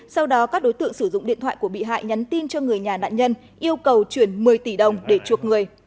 sau đó các đối tượng sử dụng điện thoại của bị hại nhắn tin cho người nhà nạn nhân yêu cầu chuyển một mươi tỷ đồng để chuộc người